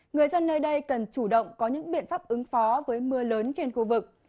người dân nơi đây cần chủ động có những biện pháp ứng phó với mưa lớn trên khu vực